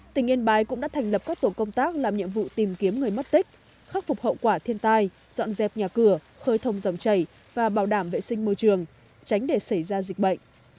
tỉnh yên bái cũng đã thành lập các tổ công tác làm nhiệm vụ tìm kiếm người mất tích khắc phục hậu quả thiên tai dọn dẹp nhà cửa khơi thông dòng chảy và bảo đảm vệ sinh môi trường tránh để xảy ra dịch bệnh